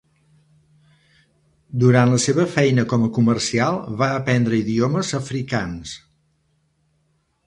Durant la seva feina com a comercial va aprendre idiomes africans.